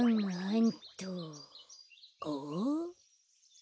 ん？